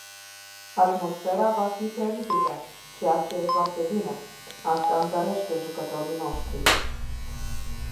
Atmosfera va fi teribilă, ceea ce e foarte bine, asta întărește jucătorii noștri.